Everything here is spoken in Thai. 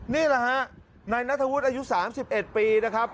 นี่แหละฮะนายนัทวุฒิอายุ๓๑ปีนะครับ